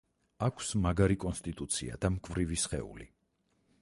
აქვს მაგარი კონსტიტუცია და მკვრივი სხეული.